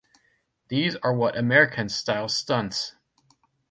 These are what Americans style stunts.